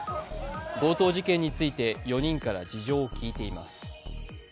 強盗事件について４人から事情を聞いています。